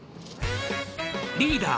リーダー